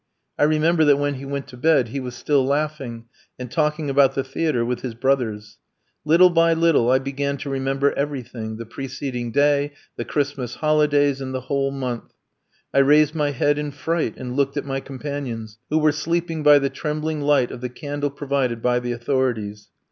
I remember that when he went to bed he was still laughing and talking about the theatre with his brothers. Little by little I began to remember everything; the preceding day, the Christmas holidays, and the whole month. I raised my head in fright and looked at my companions, who were sleeping by the trembling light of the candle provided by the authorities.